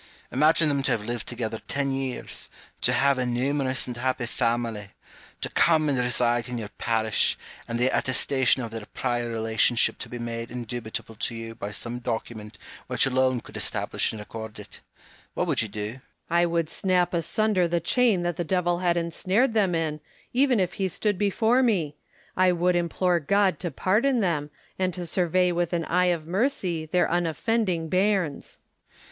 Imagine them to have lived together ten years, to have a numerous and happy family, to come and reside in your parish, and the attestation of their prior relationship to be made indubitable to you by some document which alone could establish and record it : what would you do 1 Home. I would snap asunder the chain that the devil had ensared them in, even if he stood before me ; I would implore God to pardon them, and to survey with an eye of mercy their unoffending bairns.